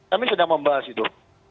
kami sedang membahas itu